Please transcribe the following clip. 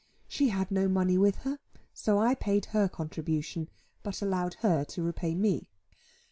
She had no money with her, so I paid her contribution, but allowed her to repay me.